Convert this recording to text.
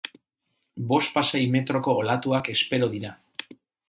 Bospasei metroko olatuak espero dira.